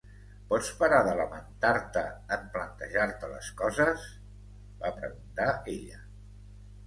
"Pots parar de lamentar-te en plantejar-te les coses?", va preguntar ella.